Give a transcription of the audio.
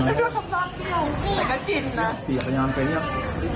รู้กี่เก็ตกระยานยัง